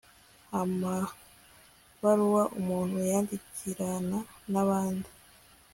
amabaruwa umuntu yandikirana n'abandi